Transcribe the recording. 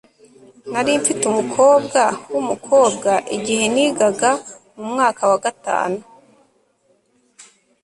Nari mfite umukobwa wumukobwa igihe nigaga mu mwaka wa gatanu